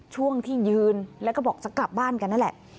ช่วงที่ยืนแล้วก็บอกจะกลับบ้านกันนั่นแหละ